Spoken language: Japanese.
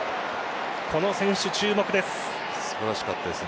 この選手、注目です。